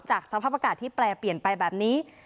สภาพอากาศที่แปลเปลี่ยนไปแบบนี้